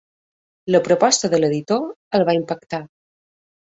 La proposta de l'editor el va impactar.